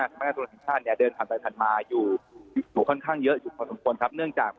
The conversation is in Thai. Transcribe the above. จะเนี่ยเดินขันมาอยู่ค่อนข้างเยอะจุดของต้นครครับ